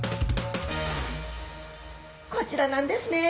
こちらなんですね。